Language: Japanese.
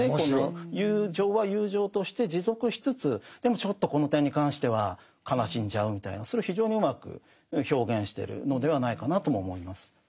友情は友情として持続しつつでもちょっとこの点に関しては悲しんじゃうみたいなそれを非常にうまく表現してるのではないかなとも思います。